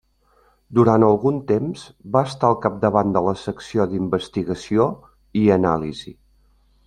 Durant algun temps va estar al capdavant de la secció d'investigació i anàlisi.